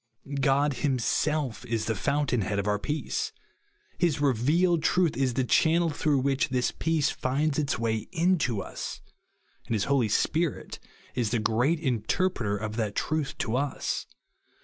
God him« self is the fountain head of our peace ; his revealed truth is the channel throug h which this peace finds its way into us ; and his Holy Spirit is the great inter preter of that truth to us.